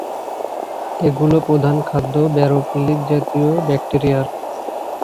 এগুলো প্রধান খাদ্য ব্যারোফিলিকজাতীয় ব্যাকটেরিয়ার।